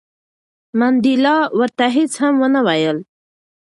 منډېلا ورته هیڅ هم ونه ویل.